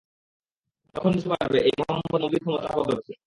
তখন বুঝতে পারবে এই মোহাম্মদ মবির ক্ষমতা কতটুকু?